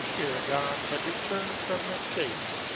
Erragon had returned from the chace.